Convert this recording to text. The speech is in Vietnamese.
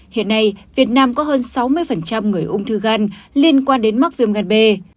hiện nay việt nam có hơn sáu mươi người ung thư gan liên quan đến mắc viêm gan b